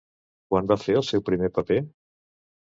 Quan va fer el seu primer paper?